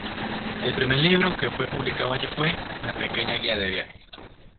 El primer libro que fue publicado allí fue "La pequeña guía de viaje".